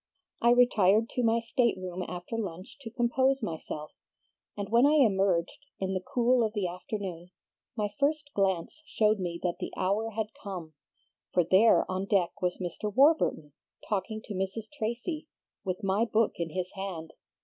"I retired to my state room after lunch to compose myself, and when I emerged, in the cool of the afternoon, my first glance showed me that the hour had come, for there on deck was Mr. Warburton, talking to Mrs. Tracy, with my book in his hand.